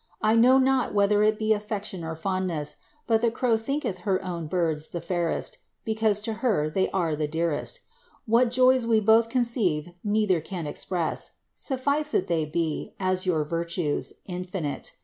I know not whether it be affection or fondness, but the crow thinketh her own birds the fidrest, because to her they are the dearest What joys we both cooceive neither can express ; suffice it, they be, as your virtues, infinite.